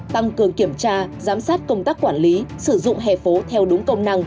tăng cường kiểm tra giám sát công tác quản lý sử dụng hẻ phố theo đúng công năng